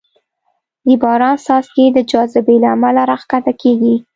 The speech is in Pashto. د باران څاڅکې د جاذبې له امله راښکته کېږي.